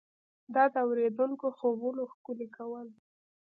دا د اورېدونکو خوبونه ښکلي کول.